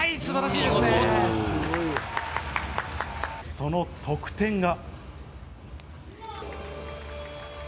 その得点が。